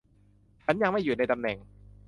ฉันยังไม่อยู่ในตำแหน่ง